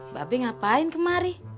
mbak be ngapain kemari